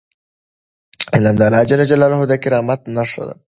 علم د الله تعالی د کرامت نښه ده.